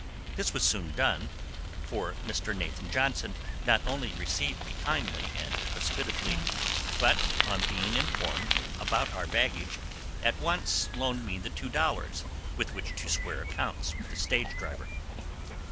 This was soon done, for Mr. Nathan Johnson not only received me kindly and hospitably, but, on being informed about our baggage, at once loaned me the two dollars with which to square accounts with the stage driver.